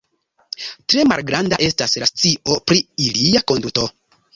Tre malgranda estas la scio pri ilia konduto.